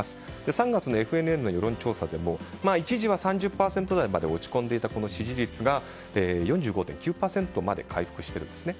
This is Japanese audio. ３月のＦＮＮの世論調査でも一時は３０％台まで落ち込んでいた支持率が４５．９％まで回復しているんですね。